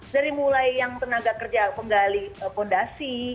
dari mulai yang tenaga kerja penggali fondasi